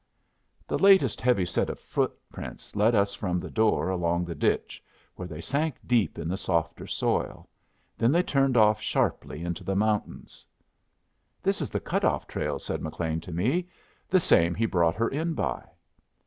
The latest heavy set of footprints led us from the door along the ditch, where they sank deep in the softer soil; then they turned off sharply into the mountains. "This is the cut off trail," said McLean to me. "The same he brought her in by."